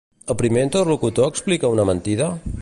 El primer interlocutor explica una mentida?